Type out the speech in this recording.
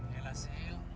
ya lah sih